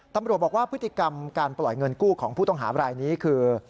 ตำรวจบอกว่าพฤติกรรมการปล่อยเงินกู้ของผู้ต้องหาบรายนี้คือ